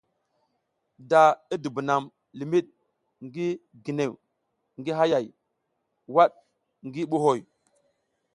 Da i dibunam limid ngi ginew ngi hayay wad ngi buhoy.